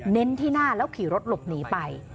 เน้นที่หน้าแล้วขี่รถหลบหนีไป